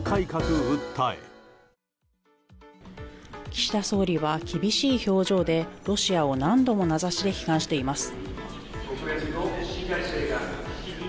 岸田総理は厳しい表情でロシアを名指しで何度も批判しています。